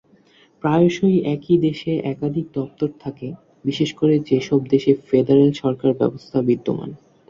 প্রায়শই একই দেশে একাধিক দপ্তর থাকে বিশেষ করে যেসব দেশে ফেডারেল সরকার ব্যবস্থা বিদ্যমান।